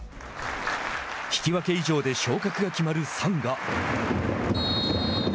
引き分け以上で昇格が決まるサンガ。